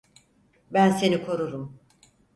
Ben seni korurum.